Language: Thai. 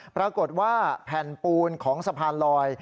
ปรากฏว่าแผ่นปูนของสะพานลอย